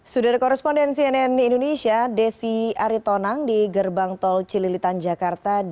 sudara korresponden cnn indonesia desi aritonang di gerbang tol cililitan jakarta